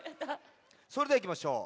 それではいきましょう。